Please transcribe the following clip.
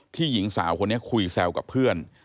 หญิงสาวคนนี้คุยแซวกับเพื่อน